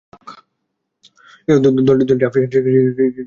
দলটি African cricket অ্যাসোসিয়েশনের সদস্য।